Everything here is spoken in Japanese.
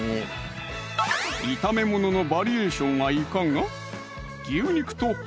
炒めもののバリエーションはいかが？